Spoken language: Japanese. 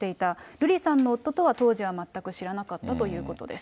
瑠麗さんの夫とは、当時は全く知らなかったということです。